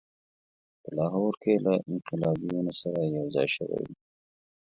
په لاهور کې له انقلابیونو سره یوځای شوی وو.